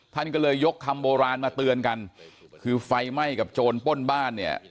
ท่านก็เลยยกคำโบราณมาเตือนกันคือไฟไหม้กับโจรป้นบ้านเนี่ย